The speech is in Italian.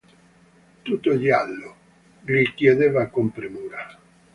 Tutto giallo; gli chiedeva con premura:.